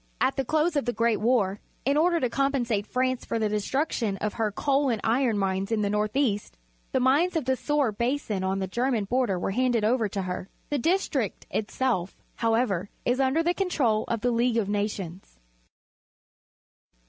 At the close of the Great War, in order to compensate France for the destruction of her coal and iron mines in the north east, the mines of the Soar Basin on the German border were handed over to her. The district itself, however, is under the control of the League of Nations.